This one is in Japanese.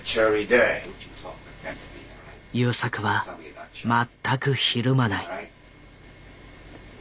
優作は全くひるまない。